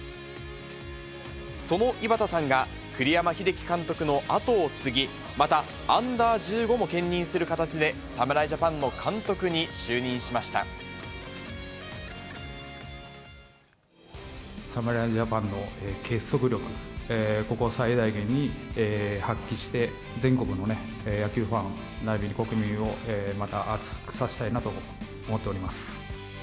その井端さんが、栗山英樹監督の後を継ぎ、またＵー１５も兼任する形で、侍ジャパンの結束力、ここを最大限に発揮して、全国の野球ファンならびに国民をまた熱くさせたいなと思っております。